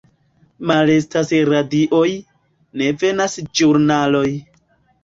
Malestas radioj, ne venas ĵurnaloj.